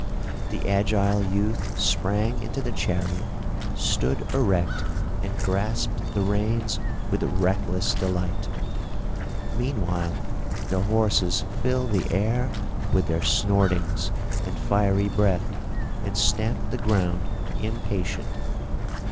The agile youth sprang into the chariot, stood erect and grasped the reins with reckless delight. Meanwhile the horses fill the air with their snortings and fiery breath and stamp the ground, impatient.